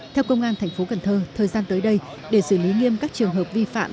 theo công an tp cnh thời gian tới đây để xử lý nghiêm các trường hợp vi phạm